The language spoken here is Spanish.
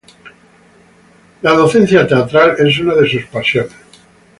La docencia teatral es una de sus pasiones.